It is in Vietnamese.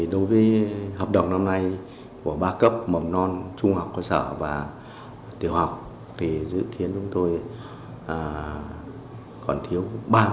đối với hợp đồng năm nay của ba cấp mầm non trung học cơ sở và tiểu học thì dự kiến chúng tôi còn thiếu ba mươi